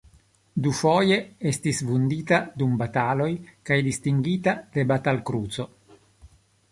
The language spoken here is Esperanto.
Dufoje estis vundita dum bataloj kaj distingita de Batal-Kruco.